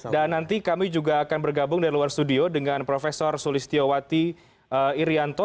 dan nanti kami juga akan bergabung dari luar studio dengan profesor sulistiyowati irianto